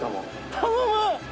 「頼む！」